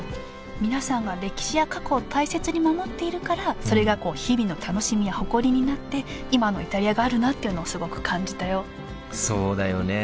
皆さんが歴史や過去を大切に守っているからそれが日々の楽しみや誇りになって今のイタリアがあるなっていうのをすごく感じたよそうだよね。